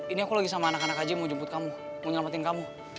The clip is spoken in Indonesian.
ini aku lagi sama anak anak aja mau jemput kamu mau nyelamatin kamu